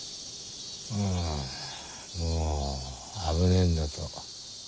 ああもう危ねえんだと。